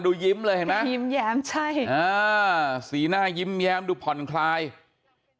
ดูยิ้มเลยเห็นไหมนะสีหน้ายิ้มแย้มดูผ่อนคลายใช่